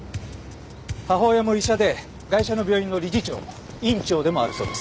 母親も医者でガイシャの病院の理事長院長でもあるそうです。